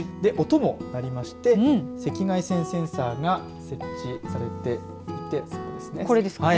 音も鳴りまして赤外線センサーが設置されていてこれですかね。